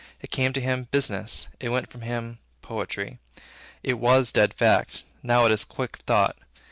It came to him, business; it went from him, poetry. It was dead fact; now, it is quick thought.